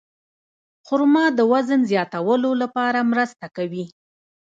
خرما د وزن زیاتولو لپاره مرسته کوي.